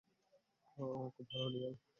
খুব ভালো, ডিয়ানা।